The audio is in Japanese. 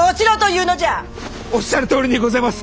おっしゃるとおりにございます！